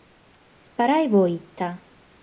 Isparare pro ite?